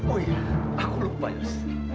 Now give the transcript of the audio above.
oh ya aku lupa yos